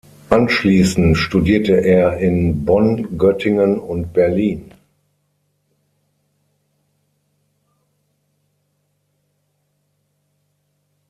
Anschließend studierte er in Bonn, Göttingen und Berlin.